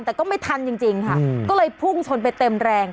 แต่ก็ไม่ทันจริงค่ะก็เลยพุ่งชนไปเต็มแรง